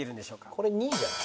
これ２位じゃない？